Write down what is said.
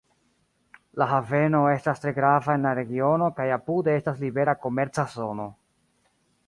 La haveno estas tre grava en la regiono kaj apude estas libera komerca zono.